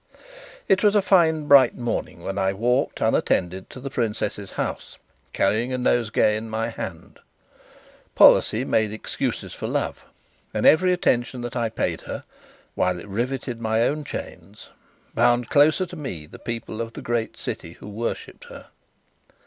It was a fine bright morning when I walked, unattended, to the princess's house, carrying a nosegay in my hand. Policy made excuses for love, and every attention that I paid her, while it riveted my own chains, bound closer to me the people of the great city, who worshipped her.